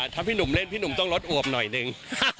ถ้าพี่หนุ่มเล่นพี่หนุ่มต้องลดอวบหน่อยนึง